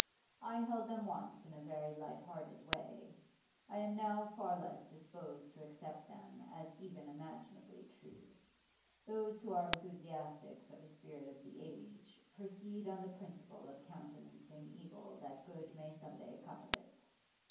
I held them once in a very light hearted way; I am now far less disposed to accept them as even imaginably true. Those who are enthusiastic for the spirit of the age proceed on the principle of countenancing evil that good may some day come of it.